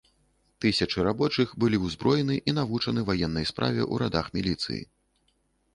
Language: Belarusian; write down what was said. Тысячы рабочых былі ўзброены і навучаны ваеннай справе ў радах міліцыі.